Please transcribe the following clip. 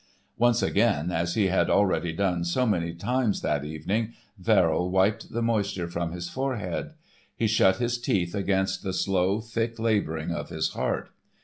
Once again, as he had already done so many times that evening, Verrill wiped the moisture from his forehead. He shut his teeth against the slow thick labouring of his heart.